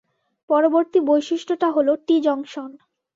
পরবর্তী বৈশিষ্ট্যটা হল টি-জংশন।